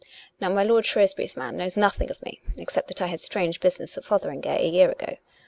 Now, my lord Shrewsbury's man knows nothing of me except that I had strange business at Fotheringay a year ago.